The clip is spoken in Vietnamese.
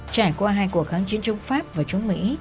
trải qua hai cuộc kháng chiến chống pháp và chống mỹ